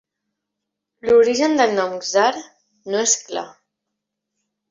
L'origen del nom "Czar" no és clar.